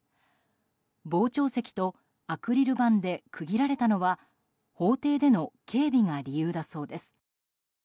傍聴席とアクリル板で区切られたのは法廷での警備が理由だそうです。